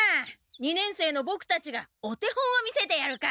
二年生のボクたちがお手本を見せてやるか。